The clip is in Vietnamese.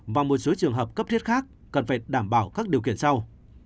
và một số trường hợp cấp thiết khác cần phải đảm bảo các điều kiện sau